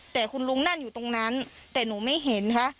แต่คุณลุงนั่งอยู่ตรงนั้นแต่หนูไม่เห็นค่ะ